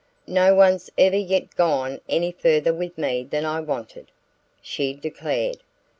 "No one's ever yet gone any farther with me than I wanted!" she declared.